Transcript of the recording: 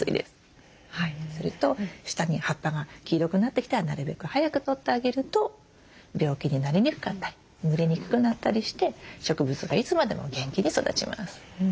それと下に葉っぱが黄色くなってきたらなるべく早く取ってあげると病気になりにくかったりぬれにくくなったりして植物がいつまでも元気に育ちます。